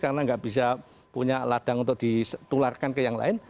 karena nggak bisa punya ladang untuk ditularkan ke yang lain